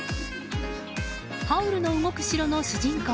「ハウルの動く城」の主人公